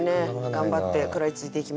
頑張って食らいついていきましょう。